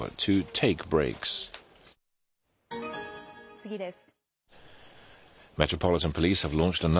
次です。